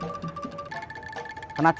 bingung kenapa khan